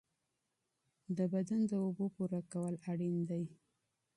د بدن د اوبو پوره کول اړین دي.